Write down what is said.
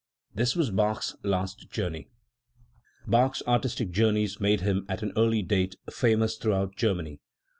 This was Bach's last journey."* Bach's artistic journey's made him, at an early date, famous throughout Germany.